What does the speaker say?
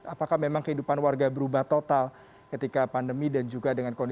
apakah memang kehidupan warga berubah total ketika pandemi dan juga dengan covid sembilan belas